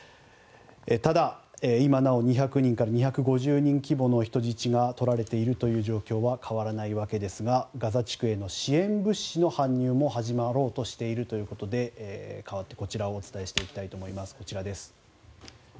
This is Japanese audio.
ただ、今なお、２００人から２５０人規模の人質が取られているという状況は変わらないわけですがガザ地区への支援物資の搬入も始まろうとしているということでかわって、こちらをお伝えしていきたいと思います。